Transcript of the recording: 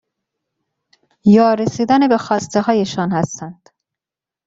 یا رسیدن به خواسته هایشان هستند.